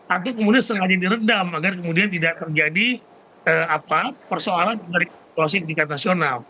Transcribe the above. atau kemudian sengaja diredam agar kemudian tidak terjadi persoalan dari klosing tingkat nasional